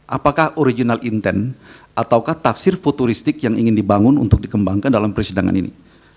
apakah original intent ataukah tafsir futuristik yang ingin dibangun untuk dikembangkan dalam persidangan ini